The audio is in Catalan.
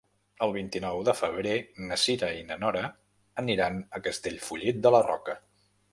El vint-i-nou de febrer na Cira i na Nora aniran a Castellfollit de la Roca.